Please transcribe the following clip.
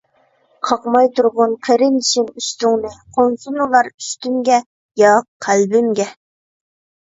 قاقماي تۇرغىن قېرىندىشىم ئۈستۈڭنى، قونسۇن ئۇلار ئۈستۈمگە، ياق قەلبىمگە.